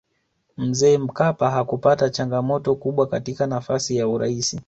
mzee mkapa hakupata changamoto kubwa katika nafasi ya uraisi